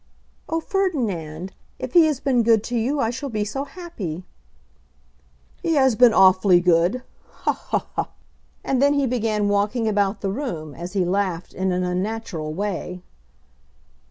"Oh, Ferdinand! if he has been good to you I shall be so happy." "He has been awfully good. Ha, ha, ha!" And then he began walking about the room as he laughed in an unnatural way.